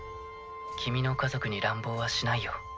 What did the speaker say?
君の家族に乱暴はしないよ。